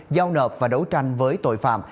giao nợp và đấu tranh với tội phạm